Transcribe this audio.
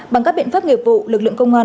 bằng các biện pháp nghiệp vụ lực lượng công an